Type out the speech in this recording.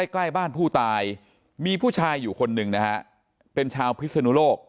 ใกล้บ้านผู้ตายมีผู้ชายอยู่คนหนึ่งนะฮะเป็นชาวพิศนุโลก